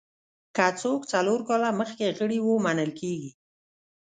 که څوک څلور کاله مخکې غړي وو منل کېږي.